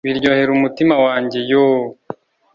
biryohera umutima wanjye yooooooh